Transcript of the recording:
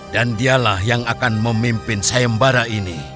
dan dialah yang akan memimpin sayembarah ini